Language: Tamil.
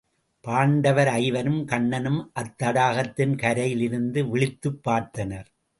பாண்டவர் ஐவரும் கண்ணனும் அத்தடாகத்தின் கரையிலிருந்து விளித்துப் பார்த்தனர்.